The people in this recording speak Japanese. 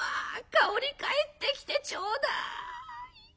香織帰ってきてちょうだい」。